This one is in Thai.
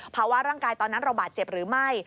ภาวะร่างกายตอนนั้นเราบาดเจ็บหรือไม่